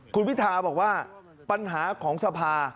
คุณพิทาบอกว่าปัญหาของสภา